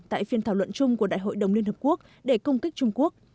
tại phiên thảo luận chung của đại hội đồng liên hợp quốc để công kích trung quốc